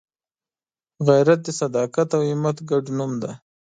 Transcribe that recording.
غیرت د صداقت او همت ګډ نوم دی